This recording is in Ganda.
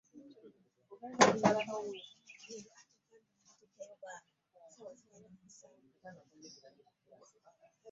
bwe nfuna eby'okukola sijja kuddamu kutuula waka.